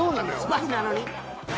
スパイなのに？